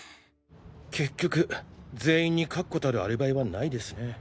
結局全員に確固たるアリバイはないですね。